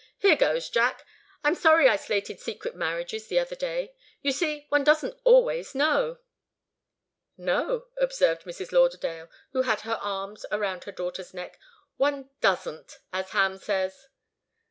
Here goes. Jack, I'm sorry I slated secret marriages the other day. You see, one doesn't always know." "No," observed Mrs. Lauderdale, who had her arms around her daughter's neck. "One doesn't as Ham says."